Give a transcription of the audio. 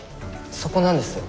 そこなんです。